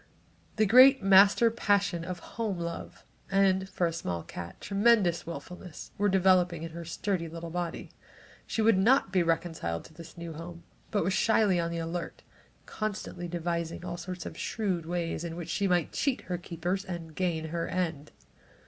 The great master passion of home love and, for a small cat, a tremendous wilfulness were developing in her sturdy little body. She would not be reconciled to this new home but was slyly on the alert, constantly devising all sorts of shrewd ways in which she might cheat her keepers and gain her end.